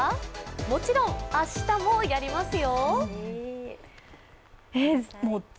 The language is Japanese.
もちろん明日もやりますよ。